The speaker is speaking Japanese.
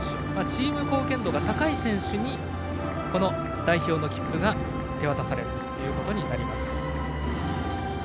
チーム貢献度が高い選手にこの代表の切符が手渡されることになります。